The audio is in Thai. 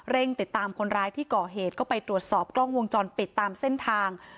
ติดตามคนร้ายที่ก่อเหตุก็ไปตรวจสอบกล้องวงจรปิดตามเส้นทาง